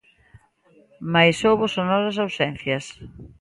Mais houbo sonoras ausencias.